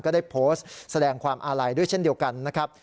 ก็ได้โพสต์แสดงความอาลัยด้วยเช่นเดียวกันนะครับ